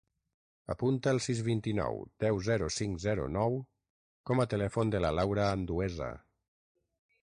Apunta el sis, vint-i-nou, deu, zero, cinc, zero, nou com a telèfon de la Laura Andueza.